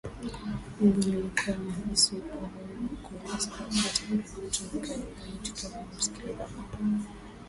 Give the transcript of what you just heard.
mimi Nilikuwa nahisi naweza kuimba Sababu hata tulikuwa tunakaa nyumbani tulikuwa tunamsikiliza mama